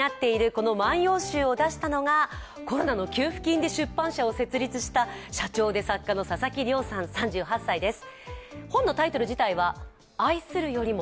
この「万葉集」を出したのがコロナの給付金で出版社を設立した社長で作家の佐々木良さん３８歳です。